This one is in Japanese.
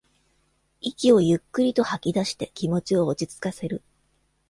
息をゆっくりと吐きだして気持ちを落ちつかせる